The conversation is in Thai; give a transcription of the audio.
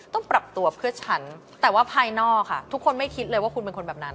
ต้องปรับตัวเพื่อฉันแต่ว่าภายนอกค่ะทุกคนไม่คิดเลยว่าคุณเป็นคนแบบนั้น